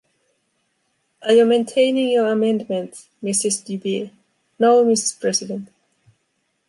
Are you maintaining your amendment, Mrs.Dubié? No, Mrs.President.